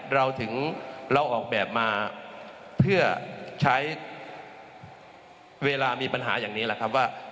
เราถึงเราออกแบบมาเพื่อใช้เวลามีปัญหาอย่างนี้แหละครับว่า